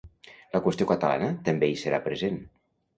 La qüestió catalana també hi serà present.